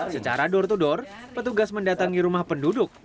secara dor todor petugas mendatangi rumah penduduk